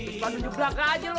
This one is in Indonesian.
selalu jebrak aja lu